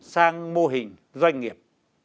sang mô hình doanh nghiệp